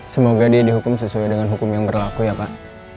semoga dia dihukum sesuai dengan hukum yang berlaku ya pak